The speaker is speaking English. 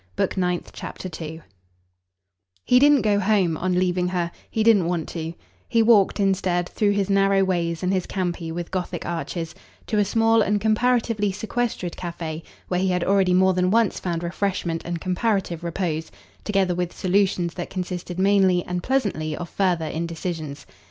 Book Ninth, Chapter 2 He didn't go home, on leaving her he didn't want to; he walked instead, through his narrow ways and his campi with gothic arches, to a small and comparatively sequestered cafe where he had already more than once found refreshment and comparative repose, together with solutions that consisted mainly and pleasantly of further indecisions.